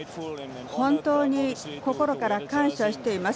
本当に心から感謝しています。